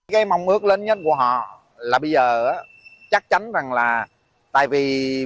cái mong ước lớn nhất của họ là bây giờ chắc chắn rằng là tại vì